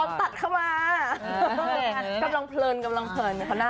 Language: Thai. ตอนตัดเข้ามากำลังเผลินกำลังเผลิน